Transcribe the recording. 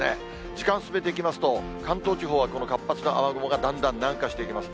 時間進めていきますと関東地方はこの活発な雨雲がだんだん南下していきます。